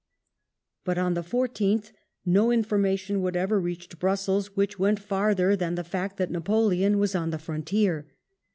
But on the 14th no information whatever reached Brussels which went farther than the fact that Napoleon was on the frontier.